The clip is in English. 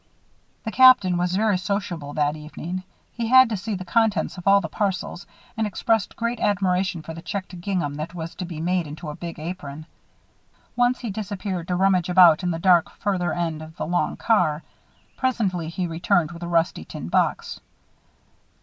The Captain was very sociable that evening. He had to see the contents of all the parcels, and expressed great admiration for the checked gingham that was to be made into a big apron. Once, he disappeared to rummage about in the dark, further end of the long car. Presently he returned with a rusty tin box.